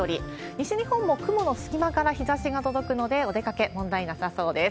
西日本も雲の隙間から日ざしが届くので、お出かけ、問題なさそうです。